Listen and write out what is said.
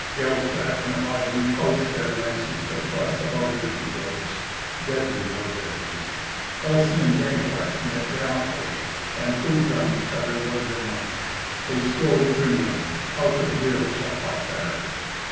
Gelfrat and Hagen couched their lances to thrust above their shields. Deadly was their hate. Elsy and Dankwart met gallantly, and proven on each other was their might. They strove grimly. How could heroes have fought better?